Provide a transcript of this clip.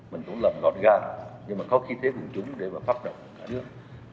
mình cũng làm gọn gàng nhưng mà có khi thế cùng chúng để phát động cả nước